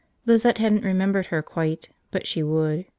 Lizette hadn't remembered her, quite, but she would.